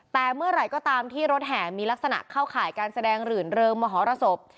แต่เมื่อไหร่ก็ตามที่รถแห่มีลักษณะเข้าข่ายการแสดงหลื่นเริงมหรสบ